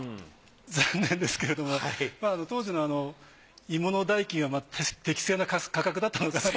残念ですけれども当時の芋の代金は適正な価格だったのかなと。